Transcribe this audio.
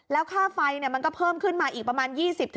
แล้วค่าไฟมันก็เพิ่มขึ้นมาอีกประมาณ๒๐